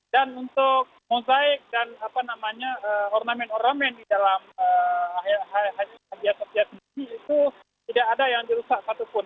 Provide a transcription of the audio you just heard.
dan untuk mosaik dan apa namanya ornamen ornamen di dalam ayat sosial ini itu tidak ada yang dirusak satupun